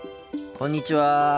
こんにちは。